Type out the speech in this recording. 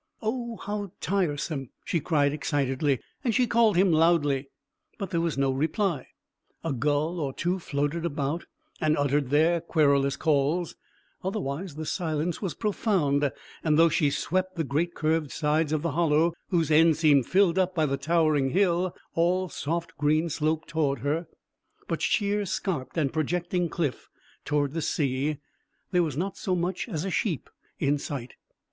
"Oh, how tiresome!" she cried excitedly; and she called him loudly, but there was no reply. A gull or two floated about and uttered their querulous calls, otherwise the silence was profound, and, though she swept the great curved sides of the hollow, whose end seemed filled up by the towering hill, all soft green slope toward her, but sheer scarped and projecting cliff toward the sea, there was not so much as a sheep in sight.